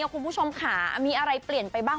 คุณผู้ชมค่ะมีอะไรเปลี่ยนไปบ้าง